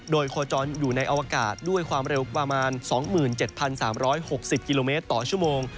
โดยโคจรอยู่ในอวกาศด้วยความเร็วประมาณ๒๗๓๖๐กิโลเมตรต่อชั่วโมง